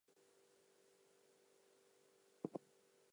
Many different terms are used to describe this class.